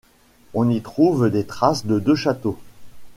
On y trouve les traces de deux châteaux.